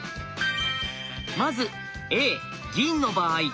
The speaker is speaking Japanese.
まずＡ銀の場合。